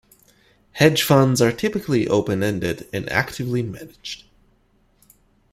Hedge funds are typically open-ended and actively managed.